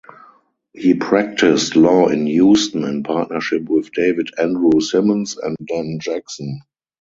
He practiced law in Houston in partnership with David Andrew Simmons and Dan Jackson.